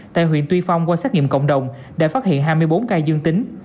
tại huyện tuy phong qua xét nghiệm cộng đồng đã phát hiện hai mươi bốn ca dương tính